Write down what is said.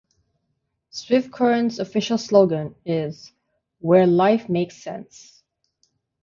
Swift Current's official slogan is "Where Life Makes Sense".